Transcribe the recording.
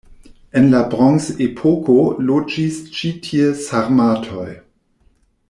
En la bronzepoko loĝis ĉi tie sarmatoj.